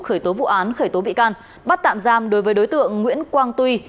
khởi tố vụ án khởi tố bị can bắt tạm giam đối với đối tượng nguyễn quang tuy